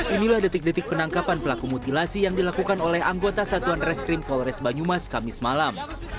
inilah detik detik penangkapan pelaku mutilasi yang dilakukan oleh anggota satuan reskrim polres banyumas kamis malam